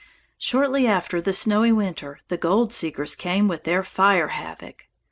"Shortly after the snowy winter, the gold seekers came with their fire havoc.